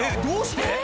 どうして？